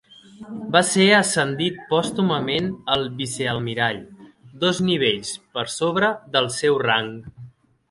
Va ser ascendit pòstumament a vicealmirall, dos nivells per sobre del seu rang.